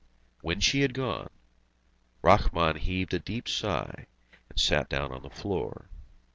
When she had gone, Rahmun heaved a deep sigh, and sat down on the floor.